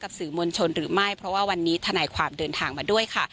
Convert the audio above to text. สื่อมวลชนหรือไม่เพราะว่าวันนี้ทนายความเดินทางมาด้วยค่ะ